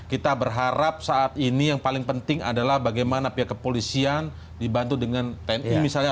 kita berharap saat ini yang paling penting adalah bagaimana pihak kepolisian dibantu dengan tni misalnya